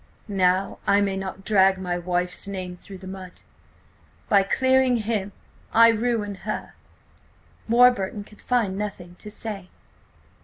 "Now I may not drag my wife's name through the mud. By clearing him–I ruin her." Warburton could find nothing to say.